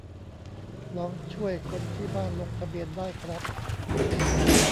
ลองช่วยคนที่บ้านลงทะเบียนได้ครับ